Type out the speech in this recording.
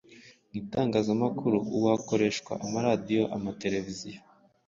Mu itangazamakuru ubu hakoreshwa amaradiyo, amatereviziyo,